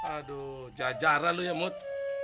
aduh jajaran loh ya mut